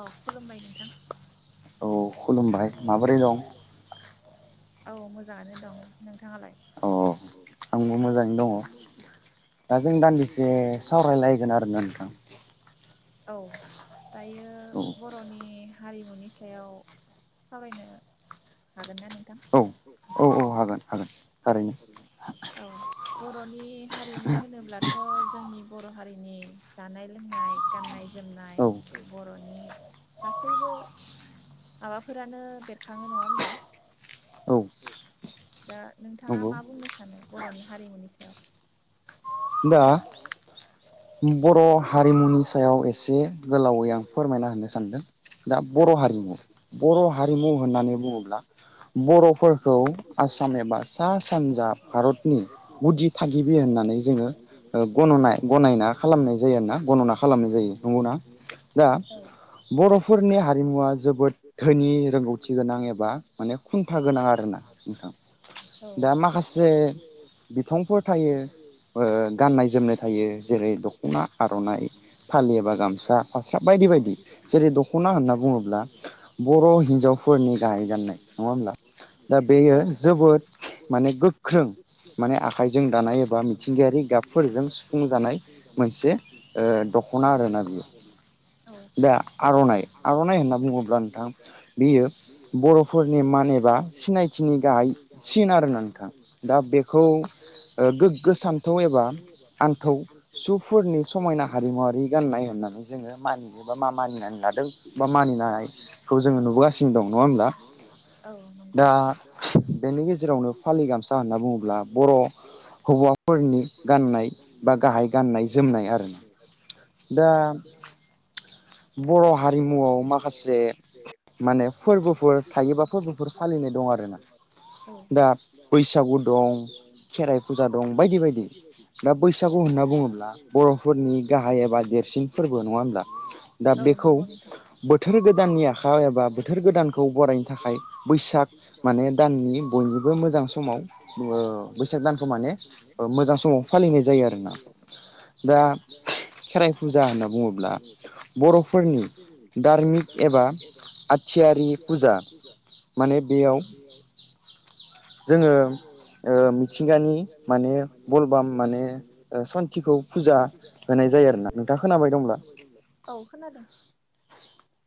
औ खुलुमबाय नोंथां औ खुलुमबाय माबोरै दं औ मोजाङानो दं नोंथाङालाय आंबो मोजाङैनो दङ दा जों दान्दिसे सावरायलायगोन आरोना नोंथां। औ दायो बर'नि हारिमुनि सायाव सावरायनो हागोन ना नोंथां। औ हागोन हागोन थारैनो औ बर'नि हारिमु होनोब्लाथ' जोंनि बर' हारिनि जानाय- लोंनाय गाननाय-जोमनाय बर'नि गासैबो माबाफोरानो बेरखाङो नङा हीबा। औ दा नोंथाङा मा बुंनो सानो बर'नि हारिमुनि सायाव दा बर' हारिमुनि सायाव एसे गोलावै आं फोरमायना होनो सानदों। दा बर' हारिमु बर' हारिमु होननानै बुङोब्ला बर'फोरखौ आसाम एबा सा सानजा भारतनि गुदि थागिबि होननानै जोङो ओ गनयनाय गनना खालामनाय जायो आरोना गनना खालामनाय जायो। नंगौना दा बर'फोरनि हारिमुवा जोबोद धोनि रोंगौथि गोनां एबा माने खुन्था गोनां आरो ना नोंथां दा माखासे बिफांफोर थायो। गाननाय जोमनाय थायो जेरै दख'ना आर'नाइ फालियो एबा गामसा फास्रा बायदि- बायदि। ‌ जेरै दख'ना होनना बुङोब्ला बर' हिन्जावफोरनि गाहाय गाननाय नङा होमब्ला दा बेयो जोबोद माने गोख्रों माने आखाइजों दानाय एबा मिथिंगायारि गाबफोरजों सुफुंजानाय मोनसे दख'ना आरोना बियो दा आर'नाइ आर'नाइ होनना बुङोब्ला नोंथां बियो बर'फोरनि मान एबा सिनायथिनि गाहाय सिन आरोना नोंथां। दा बेखौ [unintelligible] आन्थौ सुफोरनि समायना हारिमुवरारि गाननाय होननानै जोङो मानियो बा मा मानिनानै लादों। बा मानिनायखौ जोङो नुबोगासिनो दं। नङा होमब्ला दा बेनि गेजेरावनो फालि गामसा होनना बुङोब्ला बर' हौवा फोरनि गाननाय बा ग गाननाय जोमनाय आरो ना दा बर' हारिमुआव माखासे माने फोरबोफोर थायोबा फोरबोफोर फालिनाय दं आरोना दा बैसागु दं खेराइ फुजा दं बायदि बायदि गु होनना बुङोब्ला बर'फोरनि गाहाय एबा देरसिन फोरबो नङा होनोमब्ला दा बेखौ बोथोर गोदाननि आखाइ एबा बोथोर गोदानखौ बरायनो थाखाय बैसाग माने दाननि बयनिबो मोजां समाव ओ बैसाग दानखौ माने मजां समाव फालिनाय जायो दा खेराइ फुजा होनना बुङोब्ला बर'फोरनि दार्मिक एबा आथियारि फुजा माने बेयाव जोङो ओ मिथिंगानि माने बलबाम म माने ओ सनतिखौ फुजा होनाय जायो आरोना नोंथाङा खोनाबाय दंब्ला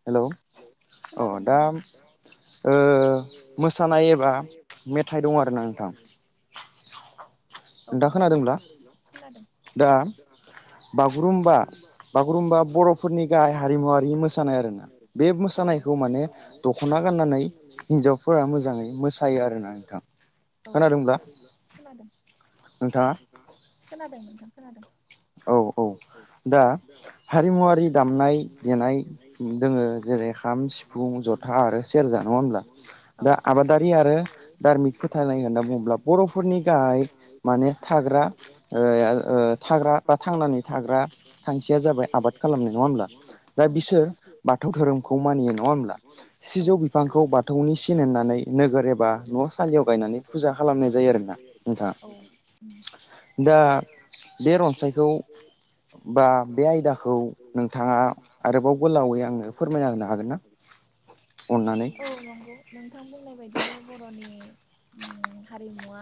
हेलौ अ दा ओ मोसानाय एबा मेथाइ दं आरोना नोंथां औ दङ' खोनादों खोनादों दा बागुरुमबा बागुरुमबा बर'फोरनि गाहाइ मोसानाय आरो औ मोसानायखौ माने दखना गाननानै हिन्जावफोर मोजां मोसायो आरो औ खोनादों खोनादों खोनादों नोंथां खोनादों औ औ दा हारिमुवारि दामनाय देनाय दोङो जेरै खाम सिफुं जथा आरो सेरजा नङा होमब्ला दा आबादारि आरो दार्मिक फोथायनाय होनना बुङोब्ला बर'फोरनि गाहाय माने थाग्रा ओ ओ थाग्रा बा थांनानै थाग्रा थांखिया जाबाय आबाद खालामनाय नङा होमब्ला दा बिसोर बाथौ धोरोमखौ मानियो नङा होमब्ला सिजौ बिफांखौ बाथौनि सिन होननानै नोगोर एबा न' सलियाव गायनानै फुजा खालामनाय जायो आरोना दा बे रनसाय बा बे आयदाखौ नोंथाङा आरोबाव गोलावै आङो फोरमायना होनो हागोन ना अननानै बुंनाय बायदिनो बर'नि उम हारिमुवा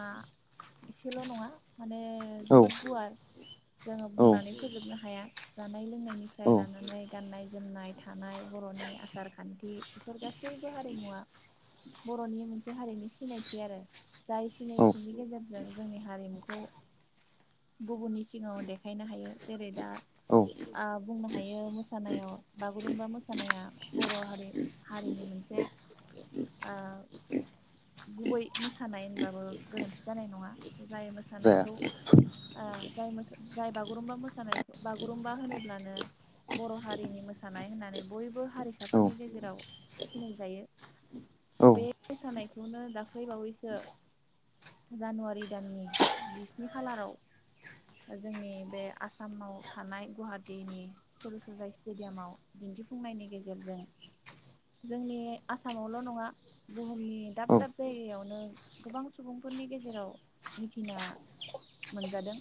इसेल नङा माने जोबोद गुवार जोङो बुंनानै फोजोबनो हाया जानाय लोंनायनिफ्राय लानानै गानाय जोम जोमनाय थानाय बर'नि आसार खान्थि बेफोर गासैबो हारिमुवा बर'नि मोनसे हारिनि सिनायथि आरो जाय सिनायथिनि गेजेरजों जों जोंनि हारिमुखौ गुबुननि सिगाङाव देखायनो हायो जेरै दा ओ बुंनो हायो मोसानायाव बागुरुमबा मोसानाया बर' हारि हारिनि मोनसे ओ गुबै मोसानाय होनबाबो गोरोन्थि जानाय नङा जाय मोसानायखौ ओ जाय जाय बागुरुमबा मोसानायखौ बागुरुमबा होनोब्लानो बर' हारिनि मोसानाय होननानै बयबो हारिसाफोरनि गेजेराव सिनायजायो बे मोसानायखौ बेखौनो दाख्लैबावैसो जानुवारि दाननि जिस्नि खालाराव जोंनि बे आसामाव थानाय गुवाहाटीनि सरु'सजाय स्टेडियामाव दिन्थिफुंनायनि गेजेरजों जोंनि आसामावल' नङा बुहुमनि दाब दाब जायगायावनो गोबां सुबुंफोरनि गेजेराव मिथिना मोनजादों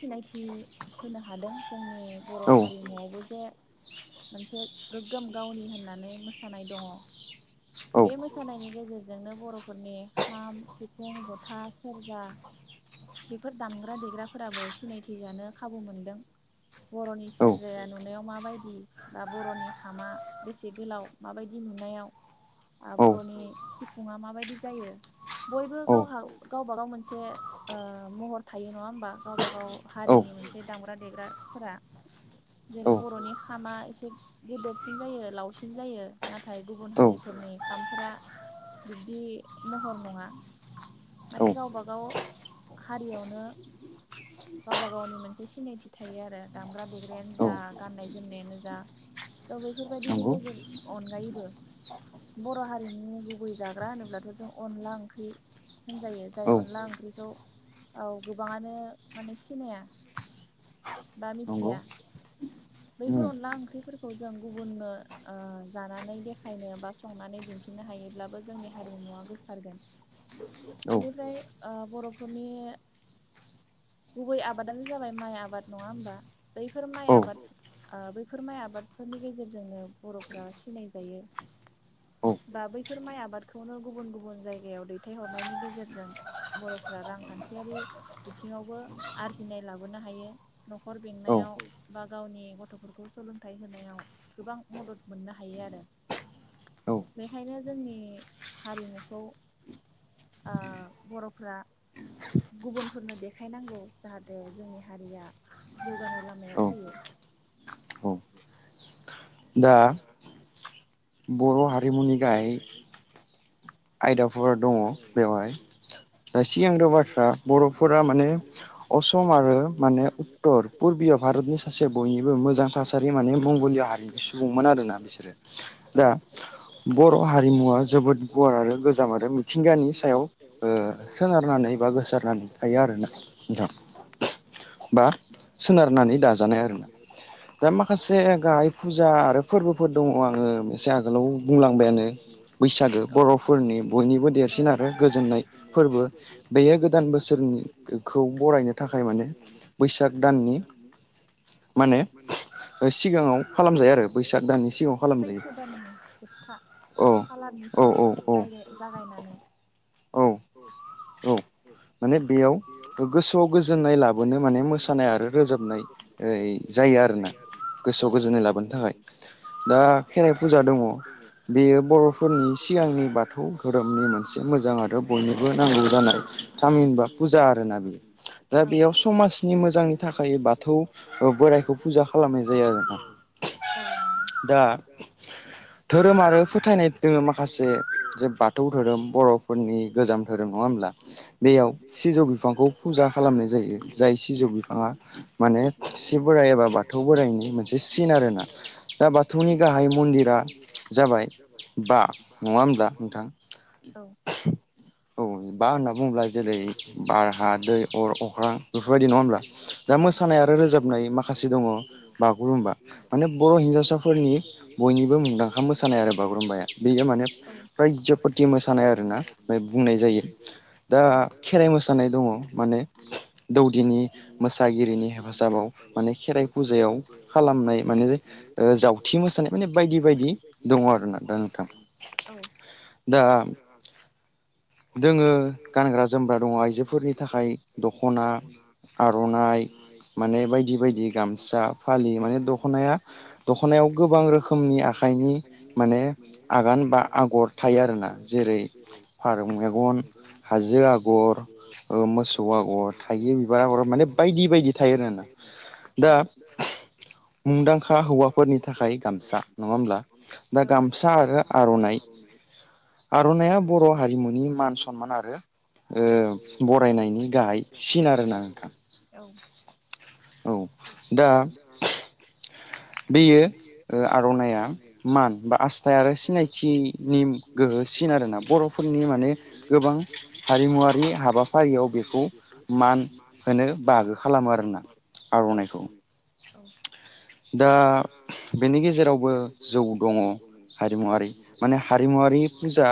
सिनायथि होनो हादों जोंनि बर' हारिमुआवबो जे मोनसे गोग्गोम गावनि होननानै मोसानाय दङ। बे मोसानायनि गेजेरजोंनो बर'फोरनि खाम सिफुं जथा सेरजा बेफोर दामग्रा देग्राफोराबो सिनायथि जानो खाबु मोनदों बर'नि सेरजाया नुनायाव माबायदि बा बर'नि खामा बेसे गोलाव माबायदि नुनायाव ओ बर'नि सिफुङा माबायदि जायो बयबो गावहा गावबा गाव मोनसे ओ महर थायो नङा होमबा गावबा गाव हारिनि मोनसे दामग्रा देग्राफोरा जेरै- बर'नि खामा एसे गेदेरसिन जायो लावसिन जायो नाथाय गुबुन हारि फोरनि खामफोरा बिब्दि महर नङा। माने गावबागाव हारियावनो गावबा गावनि मोनसे सिनायथि थायो आरो दामग्रा देग्रायानो जा गाननाय जोमनायानो जा थ' बैफोरबायदिनि गेजेर अनगायैबो बर' हारिनि गुबै जाग्रा होनोब्लाथ' जों अनला ओंख्रि होनजायो जाय अनला ओंख्रिखौ औ गोबाङानो माने सिनाया बा मिथिया बैफोर अनला ओंख्रिफोरखौ जों गुबुननो ओ जानानै देखायनो बा संनानै दिन्थिनो हायोब्लाबो जोंनि हारिमुवा गोसारगोन बेनिफ्राय ओ बर'फोरनि गुबै आबादानो जाबाय माइ आबाद नङा होमबा बैफोर माइ आबाद ओ बैफोर माइ आबादफोरनि गेजेरजोंनो बर'फ्रा सिनाय जायो बा बैफोर माइ आबादखौनो गुबुन गुबुन जायगायाव दैथायहरनायनि गेजेरजों बर'फ्रा रांखान्थियारि बिथिङावबो आरजिनाय लाबोनो हायो न'खर बेंनायाव बा गावनि गथ'फोरखौ सोलोंथाइ होनायाव गोबां मदद मोननो हायो आरो बेखायनो जोंनि हारिमुखौ ओ बर'फ्रा गुबुनफोरनो देखायनांगौ जाहाथे जोंनि हारिया जौगानाय लामायाव फैयो। [inaudible] दा बर' हारिमुनि गाहाइ आयदाफोर दङ बेवहाय दा सिगांथाव बाथ्रा बर'फोरा माने असम आरो माने उत्तर पुरबिय भारतनि सासे बयनिबो मोजां थासारि माने मंगलिया हारिनि सुबुंमोन आरोना बिसोरो दा बर' हारिमुवा जोबोद गोजाम आरो मिथिंगानि सायाव ओ सोनारनानै बा गोसारनानै थायो आरोना नोंथां बा सोनारनानै दाजानाय आरोना दा माखासे गाहाय फुजा आरो फोरबोफोर दङ आङो मोनसे आगोलाव बुंलांबायानो बैसागो फोरनि बयनिबो देरसिन आरो गोजोननाय फोरबो बेयो गोदान बोसोरनिखौ बरायनो थाखाय माने बैसाग दाननि माने सिगाङाव खालामजायो आरो बैसाग दाननि सिगाङाव खालामजायो औ जायो जायो जागायनानै औ माने बेयाव गोसोआव गोजोननाय लाबोनो माने मोसानाय आरो रोजाबनाय यै जायो आरोना गोसोआव गोजोननाय लाबोनो थाखाय दा खेराइ फुजा दङ बेयो बर'फोरनि सिगांनि बाथौ धोरोमनि मोनसे मोजां आरो बयनिबो [unintelligible] थामहिनबा फुजा आरोना बियो दा बेयाव समाजनि मोजांनि थाखाय बाथौ बोराइखौ फुजा खालामनाय जायो आरोना दा धोरोम आरो फोथायनाय दोङो माखासे जे बाथौ धोरोम बर'फोरनि गोजाम धोरोम नङा होमब्ला बेयाव सिजौ बिफांखौ फुजा खालामनाय जायो जाय सिजौ बिफाङा माने सि बोराइ एबा बाथौ बोराइनि मोनसे सिन आरोना दा बाथौनि गाहाय मन्दिरा जाबाय बा नोंथां औ बा होनना बुङोब्ला जेरै बार हा दै अर अख्रां बेफोरबायदि नङा होमब्ला दा मोसानाय आरो रोजाबनाय माखासे दङ बागुरुम्बा माने बर' हिनजावसाफोरनि बयनिबो मुंदांखा मोसानाय आरो बागुरुम्बाया बेयो मा माने बायज'फथि मोसानाय आरोना बुंनाय जायो दा खेराइ मोसानाय दङ माने दौदिनि मोसागिरिनि हेफाजाबाव माने खेराइ फुजायाव खालामनाय माने ओ जावथि मोसानाय माने बायदि बायदि दङ आरोना दा नोंथां औ दोङो गानग्रा जोमग्रा दङ आइजोफोरनि थाखाय दख'ना आर'नाइ माने बायदि बायदि गामसा फालि माने दख'नाया दख'नायाव गोबां रोखोमनि आखाइनि माने आगान बा आगर थायो आरोना जेरै फारौ मेगन हाजो आगर ओ मोसौ आगर थाइगिर बिबार आगर माने बायदि बायदि थायो आरोना दा मुंदांखा हौवाफोरनि थाखाय गामसा नङा होमब्ला दा गामसा आरो आर'नाइ आर'नाया बर' हारिमुनि मान सनमान आरो ओ बरायनायनि गाहाय सिन आरोना नोंथां [unintelligible] बेयो आर'नाया मान बा आसथाय आरो सिनायथिनि गोहोसिन आरोना बर'फोरनि माने गोबां हारिमुवारि हाबाफारियाव बेखौ मान होनो बाहागो खालामो आरोना आर'नाइखौ औ दा बेनि गेजेरावबो जौ दङ हारिमुवरारि माने हारिमुवारि फुजा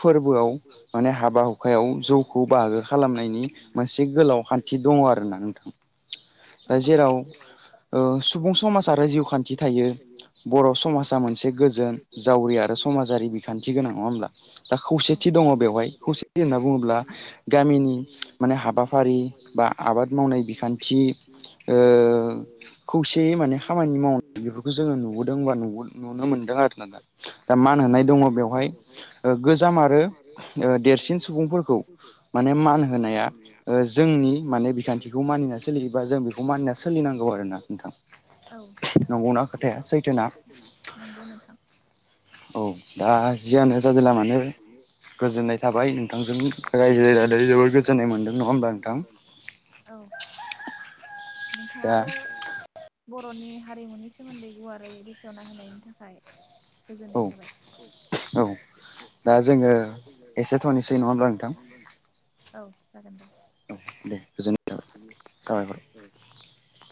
फोरबोआव माने हाबा हुखायाव जौखौ बाहागो खालामनायनि मोनसे गोलाव खान्थि दङ आरोना नोंथां दा जेराव सुबुं समाज आरो जिउ थायो बर' समाजा मोनसे गोजोन जावरि आरो समाजारि बिखान्थि गोनां नङा होमब्ला? दा खौसेथि दङ बेवहाय खौसेथि होनना बुङोब्ला गामिनि माने हाबाफारि बा आबाद मावनाय बिखान्थि ओ-खौसेयै माने खामानि मावनाय बेफोरखौ जोङो नुबोदों बा नुनो मोनदों आरो ना दा दा मान होनाय दङ बेवहाय ओ-गोजाम आरो देरसिन सुबुंफोरखौ माने मान होनाया ओ-जोंनि माने बिखान्थिखौ मानिना सोलियोबा जों बेखौ मानिना सोलिनांगौ आरोना नोंथां। औ [unintelligible] नंगौ नोंथां। [unintelligible] गोजोन्नाय थाबाय। [unintelligible] औ। नोंथाङाबो बर'नि हारिमुनि सोमोन्दै गुवारै बेखेवना होनायनि थाखाय। गोजोननाय थाबाय औ औ दो औ जागोन दे। [unintelligible]